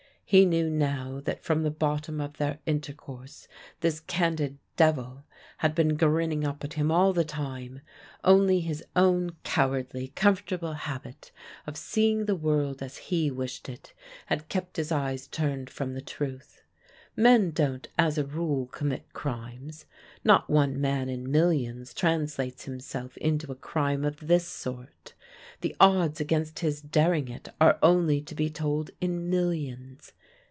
He knew now that from the bottom of their intercourse this candid devil had been grinning up at him all the time; only his own cowardly, comfortable habit of seeing the world as he wished it had kept his eyes turned from the truth. Men don't as a rule commit crimes; not one man in millions translates himself into a crime of this sort; the odds against his daring it are only to be told in millions.